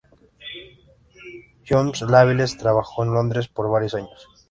Jones-Davies trabajó en Londres por varios años.